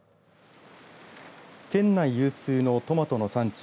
県内有数のトマトの産地